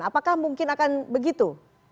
apakah mungkin akan begitu